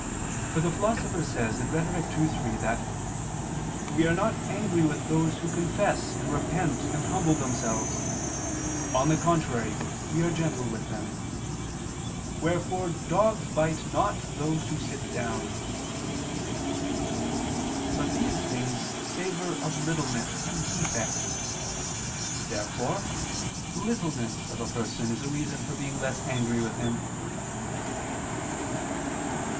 For the Philosopher says (Rhet. ii, 3) that "we are not angry with those who confess and repent and humble themselves; on the contrary, we are gentle with them. Wherefore dogs bite not those who sit down." But these things savor of littleness and defect. Therefore littleness of a person is a reason for being less angry with him.